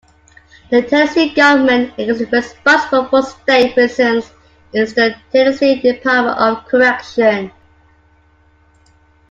The Tennessee government agency responsible for state prisons is the Tennessee Department of Correction.